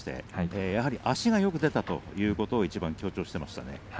足がよく出たということをいちばん強調していました。